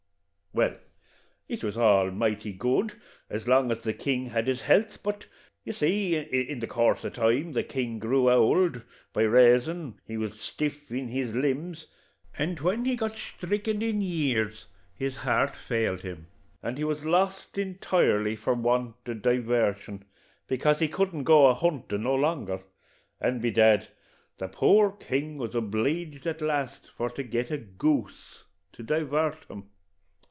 "Well, it was all mighty good, as long as the king had his health; but, you see, in coorse of time the king grew ould, by raison he was stiff in his limbs, and when he got sthriken in years, his heart failed him, and he was lost intirely for want o' divarshin, bekase he couldn't go a huntin' no longer; and, by dad, the poor king was obleeged at last for to get a goose to divart him.